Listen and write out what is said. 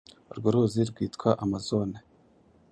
urwo ruzi rwitwa amazone